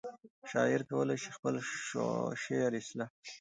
شاعر کولی شي خپل شعر اصلاح کړي.